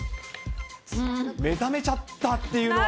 目覚めちゃったっていうのはある。